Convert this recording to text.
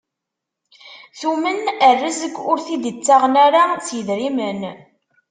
Tumen rrezg ur t-id-ttaɣen ara s yidrimen.